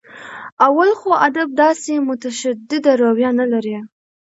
اول خو ادب داسې متشدده رویه نه لري.